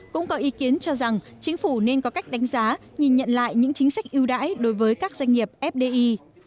cũng có ý kiến cho rằng chính phủ nên có cách đánh giá nhìn nhận lại những chính sách ưu đãi đối với các doanh nghiệp fdi